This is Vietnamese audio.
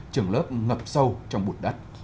trường lớp ngập sâu trong bụt đất